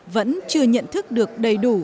vẫn chưa nhận thức được đầy đủ